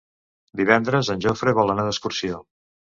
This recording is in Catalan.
Divendres en Jofre vol anar d'excursió.